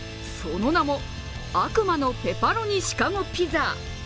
その名も、悪魔のペパロニシカゴピザ。